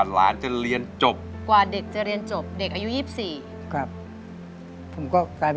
ให้เขาได้สัก๑๐กว่าขวบ๑๐๑๔๑๕